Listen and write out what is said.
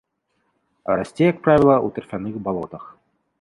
Расце, як правіла, у тарфяных балотах.